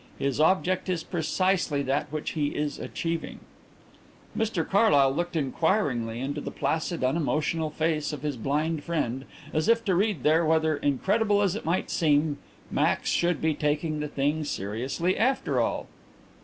His object is precisely that which he is achieving." Mr Carlyle looked inquiringly into the placid, unemotional face of his blind friend, as if to read there whether, incredible as it might seem, Max should be taking the thing seriously after all.